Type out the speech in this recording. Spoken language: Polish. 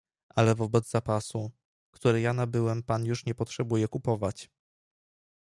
"Ale wobec zapasu, który ja nabyłem pan już nie potrzebuje kupować."